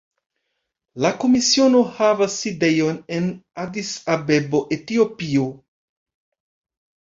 La Komisiono havas sidejon en Adis-Abebo, Etiopio.